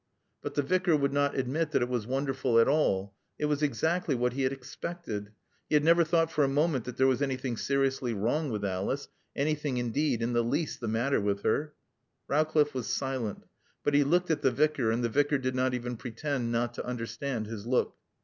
But the Vicar would not admit that it was wonderful at all. It was exactly what he had expected. He had never thought for a moment that there was anything seriously wrong with Alice anything indeed in the least the matter with her. Rowcliffe was silent. But he looked at the Vicar, and the Vicar did not even pretend not to understand his look.